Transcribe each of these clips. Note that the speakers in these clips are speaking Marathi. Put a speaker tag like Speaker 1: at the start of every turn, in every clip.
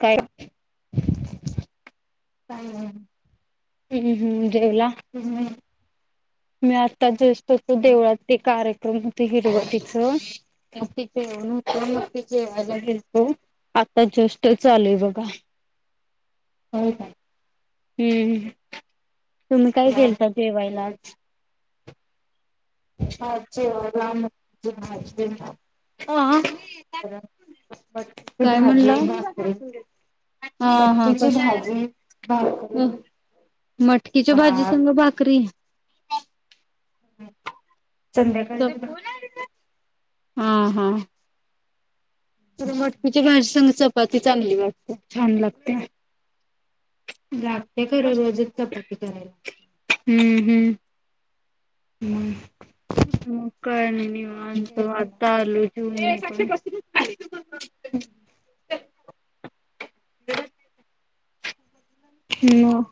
Speaker 1: काय?
Speaker 2: हम्.
Speaker 1: हम्म हम्म हम्म जेवला. मी आत्ता जस्ट ते देवळात ते कार्यक्रम ते हिरवटिच, मग तीथे जेवण होत ते जेवायला गेलतो आता जस्टच आलोय बघा.
Speaker 2: होय काय?
Speaker 1: हम्म तुम्ही काय केेलता जेवायला आज?
Speaker 2: आज जेवायला मटकीची भाजी,
Speaker 1: अ
Speaker 2: परत बटाटू ची
Speaker 1: काय म्हणला
Speaker 2: भाजी भाकरी.
Speaker 1: हा हा
Speaker 2: मटकीची
Speaker 1: कस
Speaker 2: भाजी भाकरी.
Speaker 1: मटकीच्या भाजी
Speaker 2: भात
Speaker 1: संग भाकरी.
Speaker 2: संध्याकाळची भाकरी
Speaker 1: हा हा. तर मटकीची भाजी संग चपाती चांगली लागत्या छान लागत्या.
Speaker 2: लागते खर रोजच चपाती करायला.
Speaker 1: हम्म हम्म.
Speaker 2: हम्म.
Speaker 1: म काय आणि निवांत
Speaker 2: काय खाल्ला
Speaker 1: आता आलोय जेऊन [inaudible] म.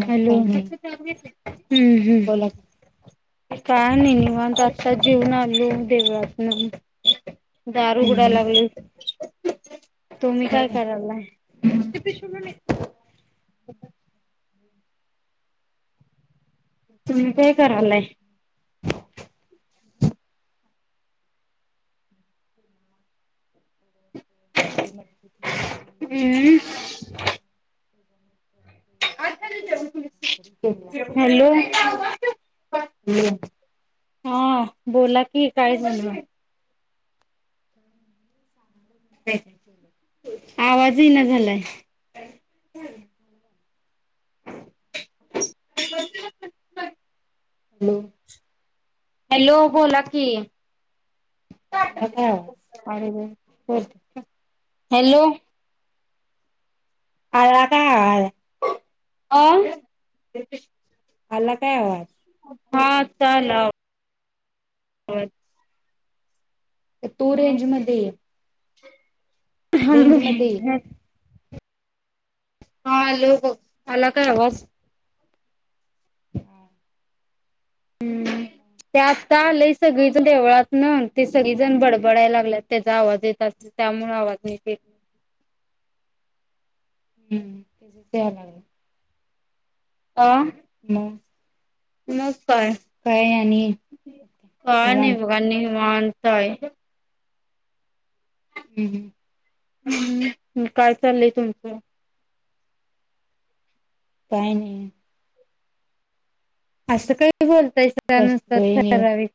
Speaker 2: मग
Speaker 1: हॅलो,
Speaker 2: काही नाही
Speaker 1: हम्म
Speaker 2: हा
Speaker 1: हम्म.
Speaker 2: बोला की
Speaker 1: काय नाही निवांत आता जेऊन आलो देवळातनं. दार उगडाय लागलोय. तुम्ही काय
Speaker 2: होय
Speaker 1: करालाय? तुम्ही काय करालाय?
Speaker 2: ते मटकीची भाजी.
Speaker 1: हम्म
Speaker 2: त्याच्यानंतर ते भाकरी केल्या.
Speaker 1: हॅलो हा बोला की, काय झालं?
Speaker 2: [unintelligible] काय काय केलंय?
Speaker 1: आवाज ईना झालाय. [unintelligible]
Speaker 2: हॅलो!
Speaker 1: हॅलो! बोला की.
Speaker 2: आला काय आवाज?
Speaker 1: हॅलो! बोलतेत का? हॅलो
Speaker 2: आला काय आवाज?
Speaker 1: अ [unintelligible]
Speaker 2: आला काय आवाज?
Speaker 1: हा आता आला आवाज.
Speaker 2: तू रेंज मध्ये ये.
Speaker 1: ह
Speaker 2: रेंज मध्ये ये
Speaker 1: [unintelligible] हा आलो बघ, आला का आवाज?
Speaker 2: हा
Speaker 1: हम्म ते आत्ता आलंय सगळीच देवळातनं, ते सगळी जण बडबडाय लागल्यात तेजा आवाज येत अस त्यामुळं आवाज नीट ये
Speaker 2: हम्म तेजच याय लागलाय.
Speaker 1: अ
Speaker 2: [inaudible]
Speaker 1: म काय?
Speaker 2: काय आणि
Speaker 1: काय
Speaker 2: निवांत
Speaker 1: नाही बघ आणि वांत आहे.
Speaker 2: हम्म हम्म
Speaker 1: हम्म, म काय चाललंय तुमचं?
Speaker 2: काय नाई.
Speaker 1: असं काय बोलतायसा नुसतं
Speaker 2: बसलोय निवांत
Speaker 1: ठरावीक.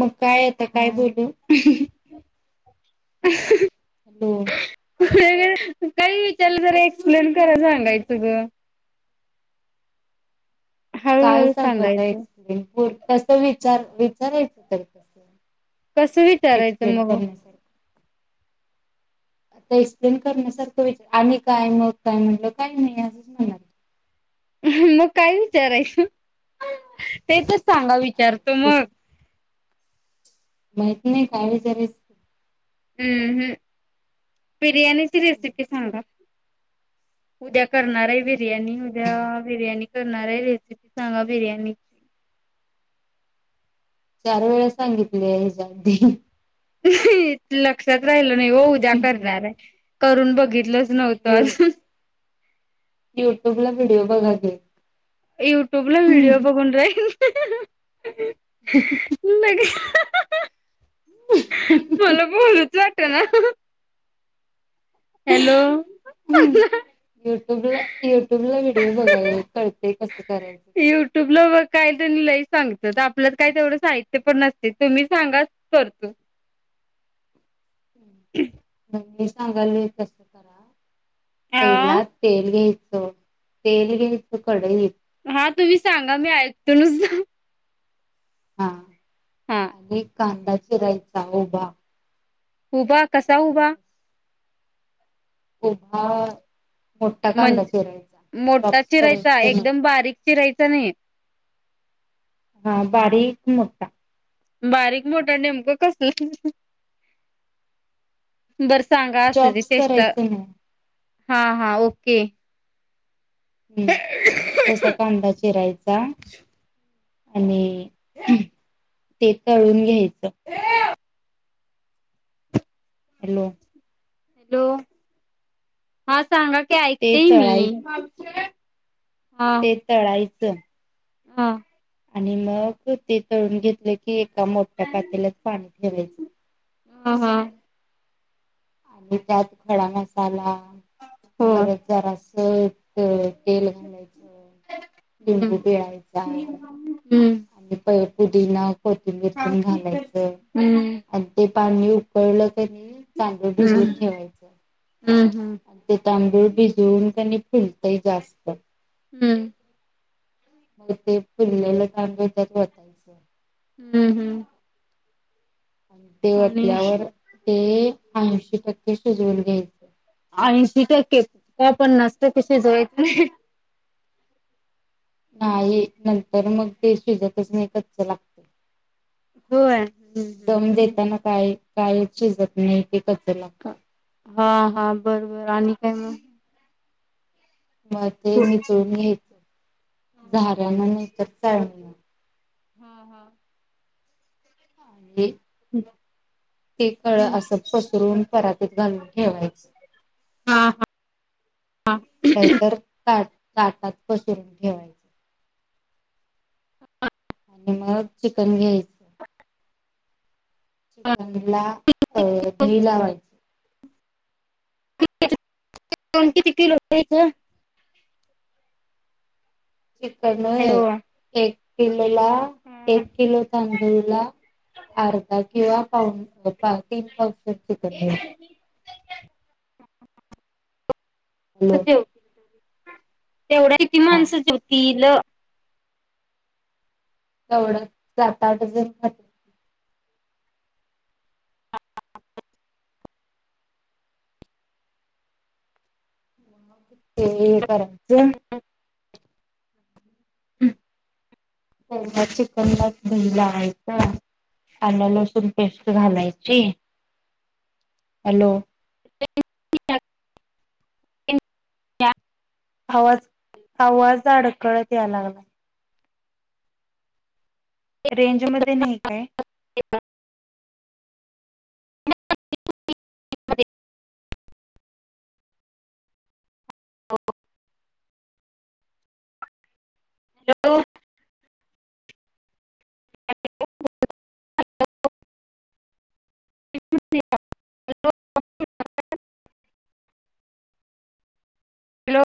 Speaker 2: मग काय आता काय बोलू?
Speaker 1: [unintelligible]
Speaker 2: हॅलो!
Speaker 1: अगं काही विचारलं जरा एक्सप्लेन करून सांगायचं गं.
Speaker 2: काय
Speaker 1: हळूहळू
Speaker 2: सांगू आता
Speaker 1: सांगायचं
Speaker 2: एक्सप्लेन, बोल कसं विचार विचारायचं तर कसं?
Speaker 1: कसं विचारायचं
Speaker 2: एक्सप्लेन
Speaker 1: मग ओ?
Speaker 2: करण्यासारखं आता एक्सप्लेन करण्यासारखं विचा आणि काय मग काय म्हणलं काय नाही असंच म्हणणार की.
Speaker 1: [inaudible] हं मग काय विचारायचं? ते तर सांगा विचारतो
Speaker 2: दुस
Speaker 1: मग.
Speaker 2: माहित नाही काय विचारायचं?
Speaker 1: बिर्याणीची रेसिपी
Speaker 2: विचारायचं
Speaker 1: सांगा? उद्या करणार हाय बिर्याणी, उद्या बिर्याणी कर णार हाय रेसिपी सांगा बिर्याणीची.
Speaker 2: चार वेळा सांगितले हेज्या आधी.
Speaker 1: लक्षात राहिलं नाही हो, उद्या करणार हाय करून बघितलं नव्हतो
Speaker 2: यु
Speaker 1: आज.
Speaker 2: युट्यूबला व्हिडिओ बघा की.
Speaker 1: युट्यूबला व्हिडिओ बघून [unintelligible]
Speaker 2: [unintelligible]
Speaker 1: [unintelligible] मला बोलूच वाटना. [unintelligible] हॅलो [unintelligible]
Speaker 2: युटूबला युटूबला व्हिडिओ बघाय कळतेय कसं कराय
Speaker 1: काही जणी लई सांगत्यात आपल्यात काय तेवढं साहित्य पण नसते तुम्ही सांगा स करतो. [inaudible]
Speaker 2: म मी सांगायल्यो त
Speaker 1: हा
Speaker 2: पहिला तेल घ्यायचं तेल घ्यायचं कडईत
Speaker 1: हा, तुम्ही सांगा मी ऐक तू
Speaker 2: हा, नि कांदा चिरायचा उभा.
Speaker 1: उभा, कसा उभा.
Speaker 2: उभा आ
Speaker 1: म्हण मोठ्ठा चिरायचा
Speaker 2: करायचे नाही.
Speaker 1: एकदम बारीक चिरायचा नही.
Speaker 2: हा बारीक मोठ्ठा.
Speaker 1: बारीक मोठा नेमकं कस बर सांगा असुदे
Speaker 2: चॉप्स
Speaker 1: चेष्टा
Speaker 2: करायचं नाही.
Speaker 1: हा हा ओके.
Speaker 2: हम्म, तसा कांदा चिरायचा आणि ते तळून घ्याय
Speaker 1: [unintelligible]
Speaker 2: हॅलो!
Speaker 1: हॅलो! हा सांगा की
Speaker 2: ते
Speaker 1: ऐकतेये
Speaker 2: तळाय
Speaker 1: मी. हा
Speaker 2: ते तळायचं
Speaker 1: हा
Speaker 2: आणि मक ते तळून घेतले की एका मोठ्या पातेल्यात पाणी ठेवाय
Speaker 1: हा हा.
Speaker 2: अन् त्यात खडा मसाला
Speaker 1: हो
Speaker 2: परत जरास त तेल घालायचं.
Speaker 1: हम्म
Speaker 2: लिंबू पिळायचा. अन् पै पुदीना कोथिंबीर पण घालायचं
Speaker 1: हम्म
Speaker 2: अन् ते पाणी उकळलं क ते न तांदूळ
Speaker 1: हम्म हम्म
Speaker 2: भिजवूत ठेवायच
Speaker 1: हम्म
Speaker 2: आण ते तांदूळ भिजवून कणिक फुलतय जास्त
Speaker 1: हम्म!
Speaker 2: म ते फिरलेलं काम त्याच्यात होतायचं.
Speaker 1: हम्म हम्म!
Speaker 2: ते
Speaker 1: आणि
Speaker 2: ओतल्यावर ते ऐंशी टक्के शिजवून घ्याय
Speaker 1: आयशी टक्के का पन्नास टके शिजवाय
Speaker 2: नाही, नंतर मग ते शिजतच नाही, कच्चं लागतं.
Speaker 1: होय
Speaker 2: दम देताना काय काय शिजत नाही. ते कच्च लागतय.
Speaker 1: हा हा, बरबर, आणि काय मग?
Speaker 2: म ते नितळून घ्यायचं, झाऱ्यानं नाही तर चाळण
Speaker 1: हम्म हम्म.
Speaker 2: [unintelligible]
Speaker 1: [inaudible]
Speaker 2: ते कळ असं पसरून परातीत घालून ठेवायचं.
Speaker 1: हा हा
Speaker 2: नाहीतर का ताटात पसरून ठेवायचं. आणि मग चिकन घ्याय चिकनला अ दही लावायची.
Speaker 1: किती किलो [unintelligible]
Speaker 2: चिक नाही एक किलो [unintelligible] एक
Speaker 1: हॅलो
Speaker 2: किलो तांदूळला, अर्ाधा किंवाऽ तीन पाव किलो चिकन घ्यायच. हॅलो
Speaker 1: तेवढ्यात किती
Speaker 2: हा
Speaker 1: माणसं जेवतील?
Speaker 2: एवढं,,, सात आठ, जण. ते ऽऽकरायचं,
Speaker 1: [unintelligible]
Speaker 2: पयला चिकन लाच दही लावायच, आलंलसूण पेस्ट घालायची. हॅलो,,,
Speaker 1: [unintelligible]
Speaker 2: आवाज, आवाज अडकळत या लागलाय. रेंज मध्ये नाही काय?
Speaker 1: ते [unintelligible] हॅलो.